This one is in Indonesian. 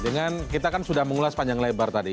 dengan kita kan sudah mengulas panjang lebar tadi